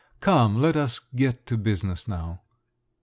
Come, let us get to business now."